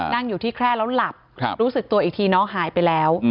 นั่งอยู่ที่แคร่แล้วหลับรู้สึกตัวอีกทีน้องหายไปแล้ว